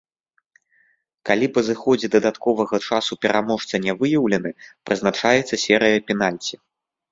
Калі па зыходзе дадатковага часу пераможца не выяўлены, прызначаецца серыя пенальці.